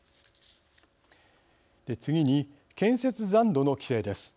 次に、建設残土の規制です。